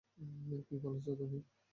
কী বলছো তুমি?